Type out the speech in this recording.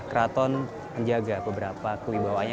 keraton menjaga beberapa kelibawanya